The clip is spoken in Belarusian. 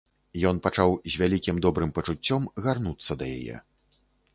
Ён пачаў з вялікім добрым пачуццём гарнуцца да яе.